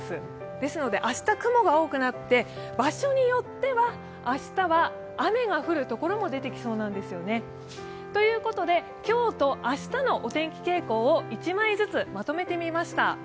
ですので明日、雲が多くなって、場所によっては明日は雨が降る所も出てきそうなんですよね。ということで今日と明日のお天気傾向を１枚ずつまとめてみました。